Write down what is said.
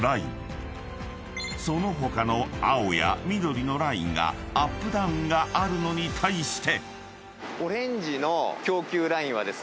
［その他の青や緑のラインがアップダウンがあるのに対して］